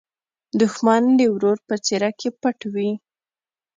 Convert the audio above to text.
دښمن د ورور په څېره کې پټ وي